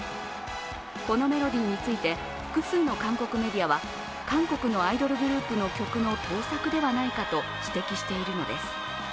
このメロディーについて、複数の韓国メディアは韓国のアイドルグループの曲の盗作ではないかと指摘しているのです。